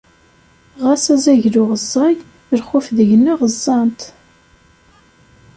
Ɣas azaglu ẓẓay, lxuf deg-nneɣ ẓẓan-t.